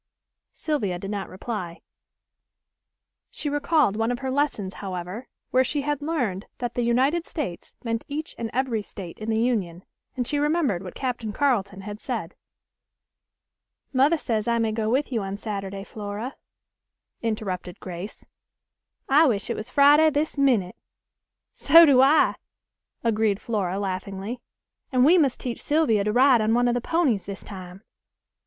Sylvia did not reply. She recalled one of her lessons, however, where she had learned that the United States meant each and every State in the Union and she remembered what Captain Carleton had said. "Mother says I may go with you on Saturday, Flora," interrupted Grace; "I wish it was Friday this minute." "So do I," agreed Flora laughingly; "and we must teach Sylvia to ride on one of the ponies this time."